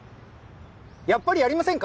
やっぱりやりませんか？